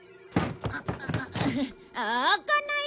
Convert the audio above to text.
開かない？